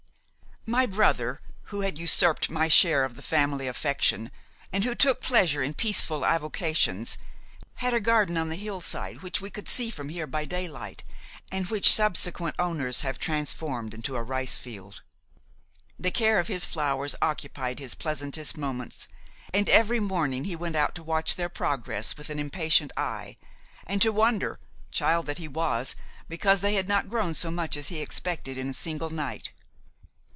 My brother, who had usurped my share of the family affection and who took pleasure in peaceful avocations, had a garden on the hillside which we can see from here by daylight, and which subsequent owners have transformed into a rice field. The care of his flowers occupied his pleasantest moments, and every morning he went out to watch their progress with an impatient eye, and to wonder, child that he was, because they had not grown so much as he expected in a single night.